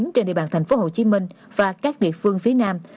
trên địa bàn tp hcm và các địa phương phía nam